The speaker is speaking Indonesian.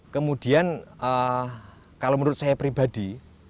kemudian kalau menurut saya pribadi